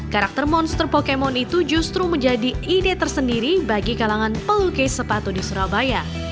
karakter monster pokemon itu justru menjadi ide tersendiri bagi kalangan pelukis sepatu di surabaya